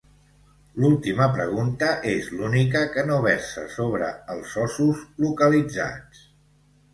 L'última pregunta és l'única que no versa sobre els ossos localitzats.